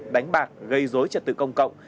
đánh bạc gây dối trật tự công cộng